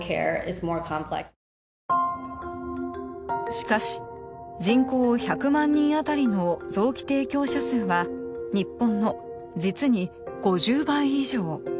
しかし人口１００万人あたりの臓器提供者数は日本の実に５０倍以上。